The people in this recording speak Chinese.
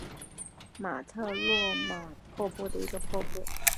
马特诺玛瀑布的一个瀑布。